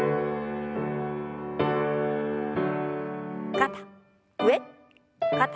肩上肩下。